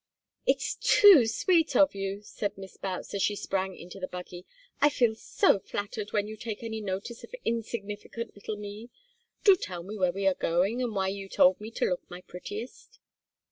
"It is too sweet of you," said Miss Boutts, as she sprang into the buggy. "I feel so flattered when you take any notice of insignificant little me. Do tell me where we are going and why you told me to look my prettiest!"